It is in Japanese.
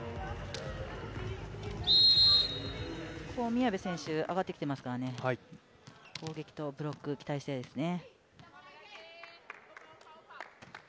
宮部選手上がってきてますから攻撃とブロック、期待したいですね